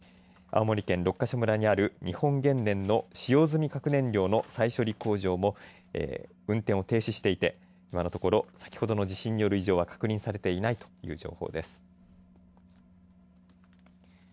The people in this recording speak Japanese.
青森県六ヶ所村にある日本原燃の使用済み核燃料の再処理工場も運転を停止していて今のところ先ほどの地震による異常は確認されていないという情報です。